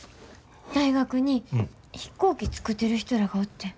大学に飛行機作ってる人らがおってん。